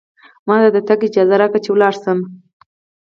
ما ته د تګ اجازه راکړئ، چې ولاړ شم.